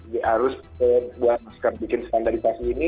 harus buat masker bikin standaritas ini